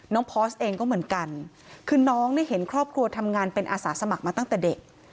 พอร์สเองก็เหมือนกันคือน้องเนี่ยเห็นครอบครัวทำงานเป็นอาสาสมัครมาตั้งแต่เด็ก